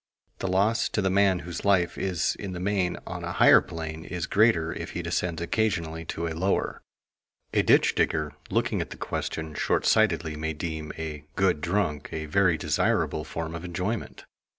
The loss to the man whose life is in the main on a higher plane is greater if he descends occasionally to a lower. A ditch digger, looking at the question short sightedly, may deem "a good drunk" a very desirable form of enjoyment.